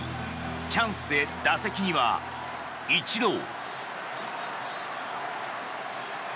チャンスで打席にはイチロー。